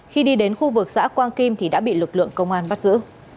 khi đi đến khu vực xã quang kim thì đã bị lực lượng công an bắt giữ